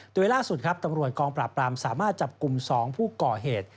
โดยล่าสุดครับตำรวจกองปราบปรามสามารถจับกลุ่ม๒ผู้ก่อเหตุ